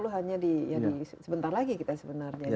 dua ribu tiga puluh hanya di ya sebentar lagi kita sebenarnya